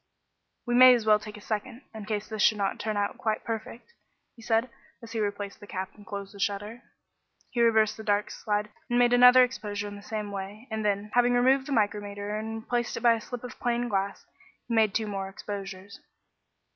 "We may as well take a second, in case this should not turn out quite perfect," he said, as he replaced the cap and closed the shutter. He reversed the dark slide and made another exposure in the same way, and then, having removed the micrometer and replaced it by a slip of plain glass, he made two more exposures.